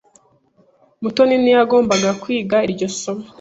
Mutoni ntiyagombaga kwiga iryo somo .